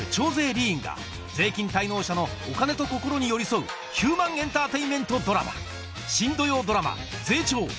吏員が税金滞納者のお金と心に寄り添うヒューマンエンターテインメントドラマ